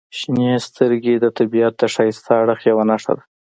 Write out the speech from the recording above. • شنې سترګې د طبیعت د ښایسته اړخ یوه نښه ده.